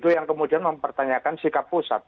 yang kemudian mempertanyakan sikap pusat